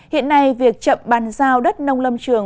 hiện nay việc chậm bàn giao đất nông lâm trường